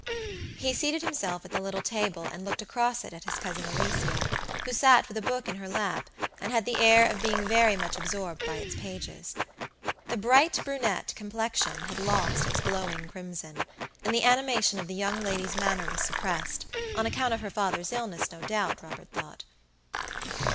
He seated himself at the little table and looked across it at his Cousin Alicia, who sat with a book in her lap, and had the air of being very much absorbed by its pages. The bright brunette complexion had lost its glowing crimson, and the animation of the young lady's manner was suppressedon account of her father's illness, no doubt, Robert thought.